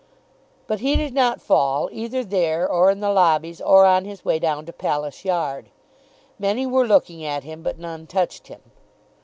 But he did not fall either there or in the lobbies, or on his way down to Palace Yard. Many were looking at him, but none touched him.